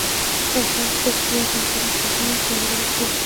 هر هغه څه چې وزن ولري او ځای ونیسي ماده بلل کیږي.